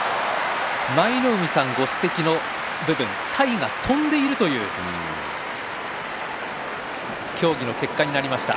舞の海さんご指摘の体が飛んでいるという協議の結果となりました。